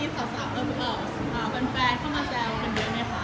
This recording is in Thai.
เป็นแฟนเข้ามาแจวเป็นเดียวไหมคะ